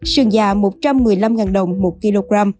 sườn già một trăm một mươi năm đồng một kg